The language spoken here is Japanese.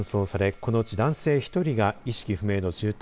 このうち男性１人が意識不明の重体